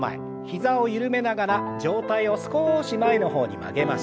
膝を緩めながら上体を少し前の方に曲げましょう。